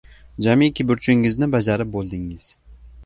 Jamiki burchingizni bajarib bo‘ldingiz!